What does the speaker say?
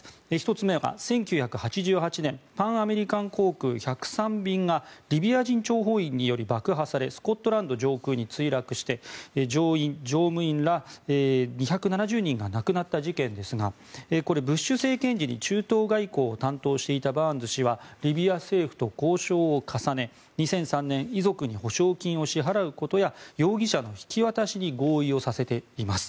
１つ目が１９８８年パンアメリカン航空１０３便がリビア人諜報員により爆破されスコットランド上空に墜落して乗員・乗務員ら２７０人が亡くなった事件ですがこれ、ブッシュ政権時に中東外交を担当していたバーンズ氏はリビア政府と交渉を重ね２００３年遺族に補償金を支払うことや容疑者の引き渡しを合意させています。